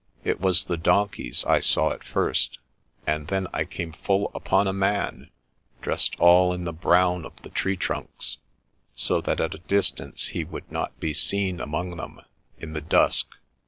It was the donkeys I saw at first, and then I came full upon a man, dressed all in the brown of the tree trunks, so that at a distance he would not be seen among them, in the dusk.